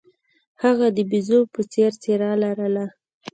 هغه د بیزو په څیر څیره لرله.